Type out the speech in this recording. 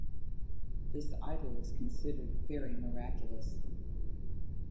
This idol is considered very miraculous.